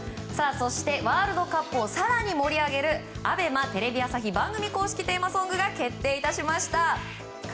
そしてワールドカップを更に盛り上げるＡＢＥＭＡ・テレビ朝日番組公式テーマソングが決定致しました。